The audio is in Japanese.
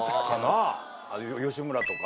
吉村とか。